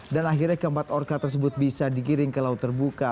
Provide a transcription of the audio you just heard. dan akhirnya keempat orka tersebut bisa dikiring ke laut terbuka